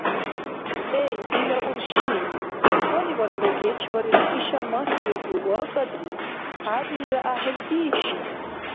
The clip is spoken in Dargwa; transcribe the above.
Эгь, дила урши, хъалибаргра гечбарили, иша, махьилизи, вакӏадри, хӏябилра гӏяхӏил бииши...